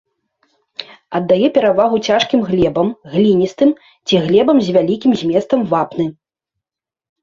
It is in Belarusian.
Аддае перавагу цяжкім глебам, гліністым ці глебам з вялікім зместам вапны.